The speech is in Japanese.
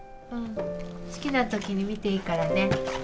好きなときに見ていいからね。